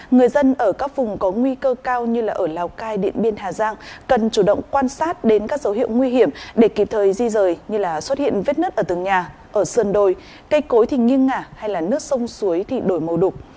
người dân ở các vùng có nguy cơ cao như ở lào cai điện biên hà giang cần chủ động quan sát đến các dấu hiệu nguy hiểm để kịp thời di rời như là xuất hiện vết nứt ở từng nhà ở sơn đồi cây cối thì nghiêng ngả hay là nước sông suối thì đổi màu đục